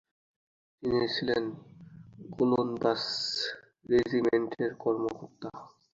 তিনি ছিলেন গোলন্দাজ রেজিমেন্টের কর্মকর্তা।